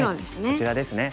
こちらですね。